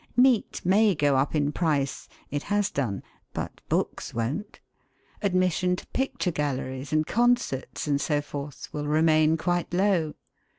Meat may go up in price it has done but books won't. Admission to picture galleries and concerts and so forth will remain quite low.